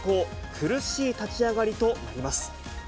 苦しい立ち上がりとなります。